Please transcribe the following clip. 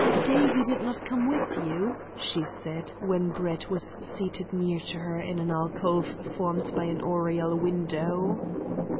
"Davie did not come with you?" she said when Brett was seated near to her in an alcove formed by an oriel window.